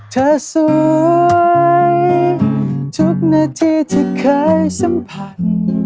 เธอสวยทุกนาทีเธอเคยสัมผัส